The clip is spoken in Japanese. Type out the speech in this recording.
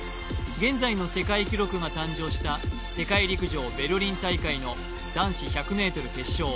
現在の世界記録が誕生した世界陸上ベルリン大会の男子１００ｍ決勝